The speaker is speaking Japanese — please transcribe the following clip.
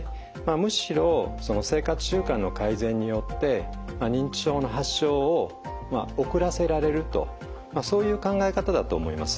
むしろその生活習慣の改善によって認知症の発症を遅らせられるとまあそういう考え方だと思います。